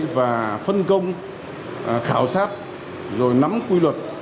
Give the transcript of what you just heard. và phân công khảo sát rồi nắm quy luật